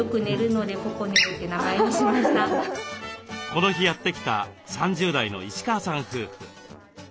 この日やって来た３０代の石川さん夫婦。